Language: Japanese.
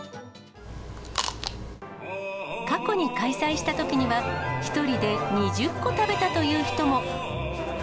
過去に開催したときには、１人で２０個食べたという人も。